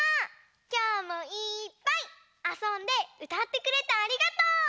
きょうもいっぱいあそんでうたってくれてありがとう！